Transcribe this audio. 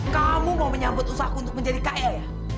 kamu mau menyambut usahaku untuk menjadi k e ya